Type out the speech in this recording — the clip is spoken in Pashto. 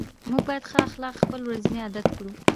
موږ باید ښه اخلاق خپل ورځني عادت کړو